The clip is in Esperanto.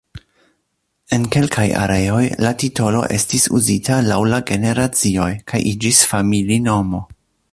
En kelkaj areoj, la titolo estis uzita laŭ la generacioj, kaj iĝis familinomo.